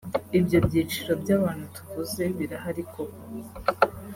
Ibyo byiciro by’abantu tuvuze birahari koko